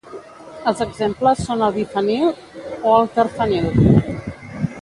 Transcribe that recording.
Els exemples són el bifenil o el terfenil.